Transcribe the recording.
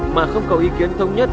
mà không có ý kiến thống nhất